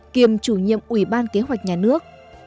kiềm chủ nhiệm ủy ban kế hoạch nhà nước